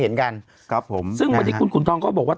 ยังไงยังไงยังไงยังไง